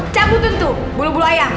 cabutin tuh bulu bulu ayam